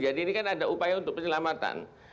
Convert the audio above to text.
jadi ini kan ada upaya untuk penyelamatan